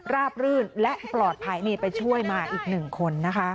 บรื่นและปลอดภัยนี่ไปช่วยมาอีกหนึ่งคนนะคะ